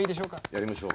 やりましょう。